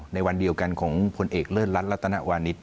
ในวันเดียวกันของผลเอกเลิศรัฐรัตนวานิส